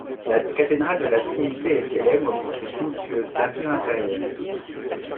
La cathédrale de la Trinité est célèbre pour ses somptueuses peintures intérieures.